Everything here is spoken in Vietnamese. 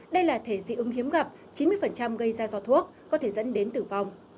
đây là thể dị ứng hiếm gặp chín mươi gây ra do thuốc có thể dẫn đến tử vong